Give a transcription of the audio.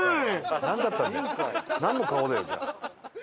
なんの顔だよじゃあ。